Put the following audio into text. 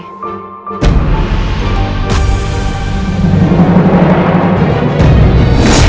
yalah kue aku